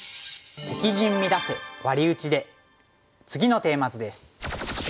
次のテーマ図です。